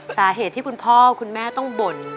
สาเหตุที่คุณพ่อคุณแม่ต้องบ่น